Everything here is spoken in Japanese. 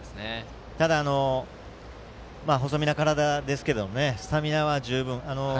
ただ、細みな体ですけどスタミナは十分あります。